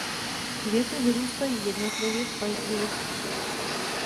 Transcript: Květy vyrůstají jednotlivě v paždí listů.